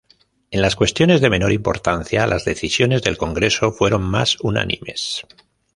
En las cuestiones de menor importancia, las decisiones del congreso fueron más unánimes.